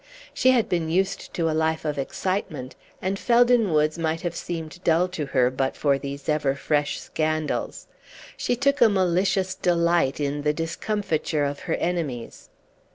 She had been used to a life of excitement, and Felden Woods might have seemed dull to her but for these ever fresh scandals. She took a malicious delight in the discomfiture of her enemies.